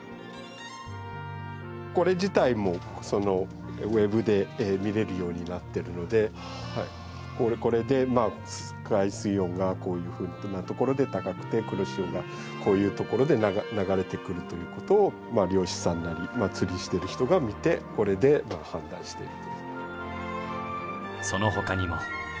これ自体もウェブで見れるようになっているのでこれで海水温がこういうふうなところで高くて黒潮がこういうところで流れてくるということを漁師さんなり釣りしてる人が見てこれで判断している。